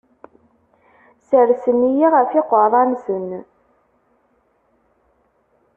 Sersen-iyi ɣef yiqerra-nsen.